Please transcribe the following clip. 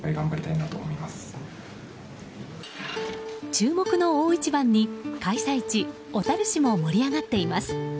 注目の大一番に開催地小樽市も盛り上がっています。